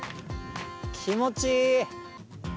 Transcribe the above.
気持ちいい。